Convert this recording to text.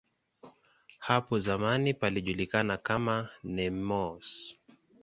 Hapo zamani palijulikana kama "Nemours".